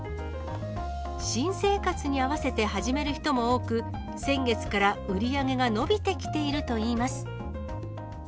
新生活に合わせて始める人も多く、先月から売り上げが伸びてきているといいます。